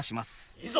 いざ！